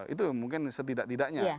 itu mungkin setidak tidaknya